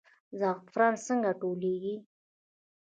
زعفران څنګه ټولول کیږي؟